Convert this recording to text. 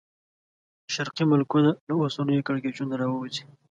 شرقي ملکونه له اوسنیو کړکېچونو راووځي.